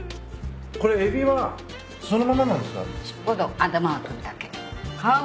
これエビはそのままなんですか？